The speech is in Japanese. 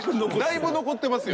だいぶ残ってますよ。